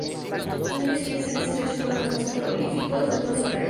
Los años siguientes a estos hechos fueron los más prolíficos de toda su carrera.